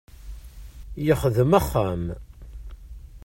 Yexdem axxam.